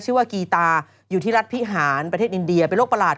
ว่ากีตาอยู่ที่รัฐพิหารประเทศอินเดียเป็นโรคประหลาด